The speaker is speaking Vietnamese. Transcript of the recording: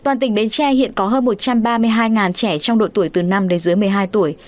toàn tỉnh bến tre hiện có hơn một trăm ba mươi hai trẻ trong độ tuổi từ năm đến dưới một mươi hai tuổi